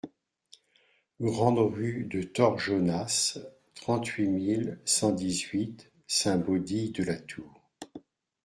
Grande Rue de Torjonas, trente-huit mille cent dix-huit Saint-Baudille-de-la-Tour